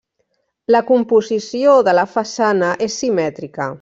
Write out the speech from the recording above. La composició de la façana és simètrica.